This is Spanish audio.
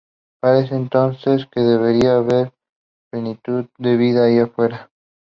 Parecería entonces que debería haber plenitud de vida allí afuera.